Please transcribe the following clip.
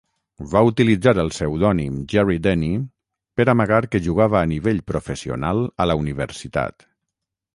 Va utilitzar el pseudònim "Jerry Denny" per amagar que jugava a nivell professional a la universitat.